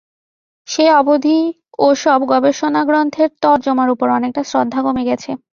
সেই অবধি ও-সব গবেষণাগ্রন্থের তর্জমার ওপর অনেকটা শ্রদ্ধা কমে গেছে।